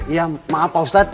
iya maaf pak ustadz